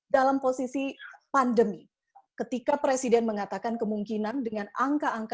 dalam posisi pandemi ketika presiden mengatakan kemungkinan dengan angka angka